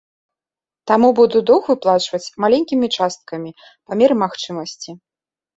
Таму буду доўг выплачваць маленькімі часткамі, па меры магчымасці.